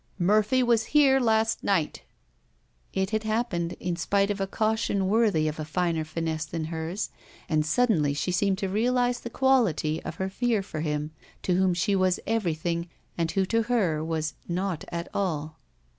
''Murphy was here last night!" It had happened, in spite of a caution worthy of a finer finesse than hers, and suddenly she seemed to realize the quality of her fear for him to whom she was everything and who to her was not all.